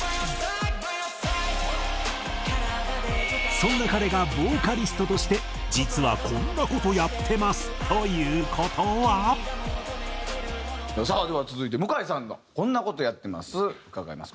そんな彼がボーカリストとして実はこんな事やってますという事は？では続いて向井さんがこんな事やってます伺います。